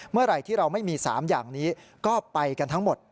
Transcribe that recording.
เมื่อไหร่ที่เราไม่มี๓อย่างนี้ก็ไปกันทั้งหมด